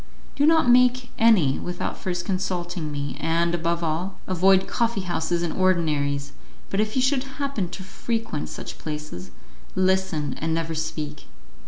"Do not make any without first consulting me, and, above all, avoid coffee houses and ordinaries, but if you should happen to frequent such places, listen and never speak.